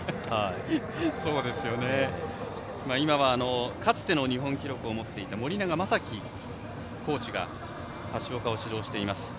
今はかつての日本記録を持っている森長正樹コーチが橋岡を指導しています。